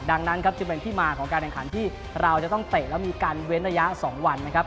ดังนั้นครับจึงเป็นที่มาของการแข่งขันที่เราจะต้องเตะแล้วมีการเว้นระยะ๒วันนะครับ